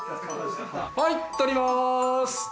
はい撮ります！